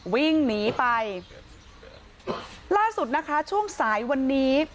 วิ่งหนีไปล่าสุดนะคะช่วงสายวันนี้